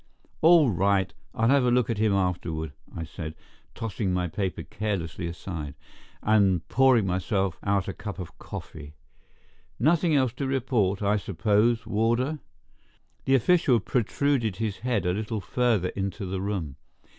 "All right, I'll have a look at him afterward," I said, tossing my paper carelessly aside, and pouring myself out a cup of coffee. "Nothing else to report, I suppose, warder?" The official protruded his head a little further into the room.